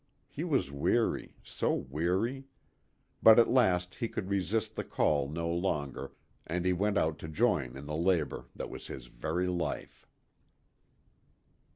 He was weary so weary. But at last he could resist the call no longer, and he went out to join in the labor that was his very life.